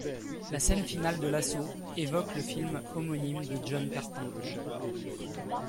La scène finale de l'assaut évoque le film homonyme de John Carpenter.